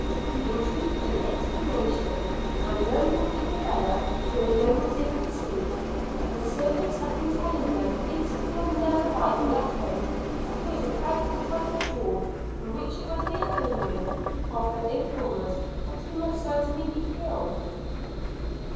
He entreated an explanation; and learned from Isabella, who alone was able to speak, that the servants had been telling them, instantly on their arrival at home, that he was about to fight a duel, in which it was the opinion of the informers that he must certainly be killed.